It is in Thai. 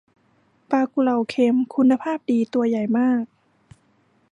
ปลากุเลาเค็มคุณภาพดี ตัวใหญ่มาก